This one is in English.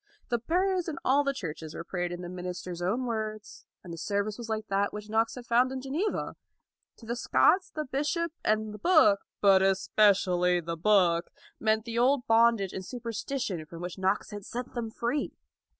The prayers in all the churches were prayed in the minister's own words, and the service was like that which Knox had found in Geneva. To the Scots the bishop and the book, but especially the book, meant the old bondage and superstition from which Knox had set them free.